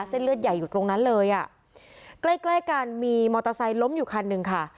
เส้นเลือดใหญ่อยู่ตรงนั้นเลยอ่ะใกล้ใกล้กันมีมอเตอร์ไซค์ล้มอยู่คันหนึ่งค่ะ